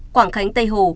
quảng khánh tây hồ